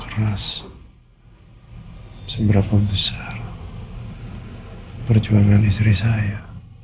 seberapa keras seberapa besar perjuangan istri saya